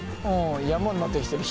山になってきてる。